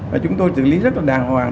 và chúng tôi xử lý rất là đàng hoàng